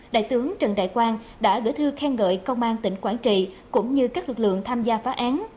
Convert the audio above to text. đại tướng trần đại quang đã gửi thư khen ngợi công an tỉnh quảng trị cũng như các lực lượng tham gia phá án